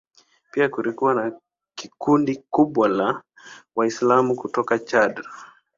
Pia kulikuwa na kundi kubwa la Waislamu kutoka Chad.